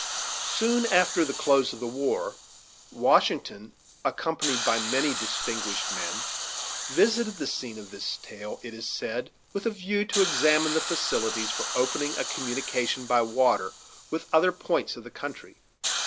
Soon after the close of the war, Washington, accompanied by many distinguished men, visited the scene of this tale, it is said with a view to examine the facilities for opening a communication by water with other points of the country.